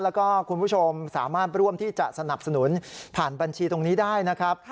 แล้วก็คุณผู้ชมสามารถร่วมที่จะสนับสนุนผ่านบัญชีตรงนี้ได้นะครับ